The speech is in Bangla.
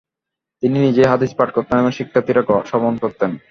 তিনি নিজেই হাদিস পাঠ করতেন এবং শিক্ষার্থীরা শ্রবণ করত।